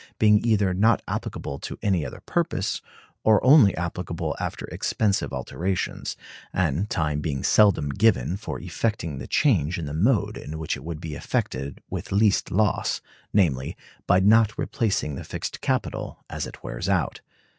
being either not applicable to any other purpose, or only applicable after expensive alterations; and time being seldom given for effecting the change in the mode in which it would be effected with least loss, namely, by not replacing the fixed capital as it wears out.